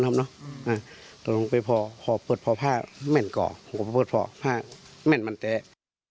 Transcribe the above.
แต่ลงไปพอพอเปิดพอผ้าไม่เห็นก่อพอเปิดพอผ้าไม่เห็นมันแจ๊ะ